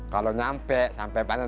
kalau nyampe sampai panen